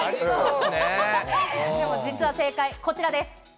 実は正解、こちらです。